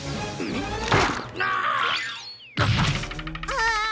ああ。